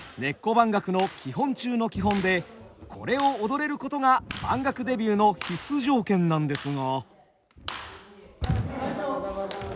番楽の基本中の基本でこれを踊れることが番楽デビューの必須条件なんですが。